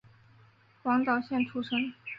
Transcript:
广岛县出身。